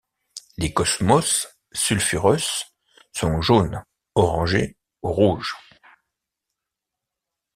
Les Cosmos sulfureus sont jaunes, orangés ou rouges.